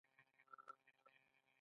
ترفیع څنګه اخیستل کیږي؟